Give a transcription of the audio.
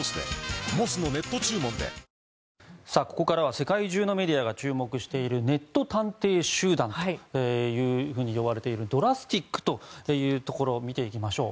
世界中のメディアが注目しているネット探偵集団と呼ばれているＤＲＡＳＴＩＣというところを見ていきましょう。